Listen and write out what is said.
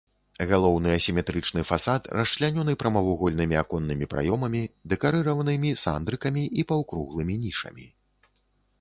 Галоўны асіметрычны фасад расчлянёны прамавугольнымі аконнымі праёмамі, дэкарыраванымі сандрыкамі і паўкруглымі нішамі.